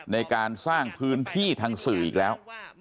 ในการสร้างพื้นที่ทางสื่ออีกแล้ว